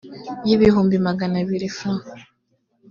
y ibihumbi magana abiri frw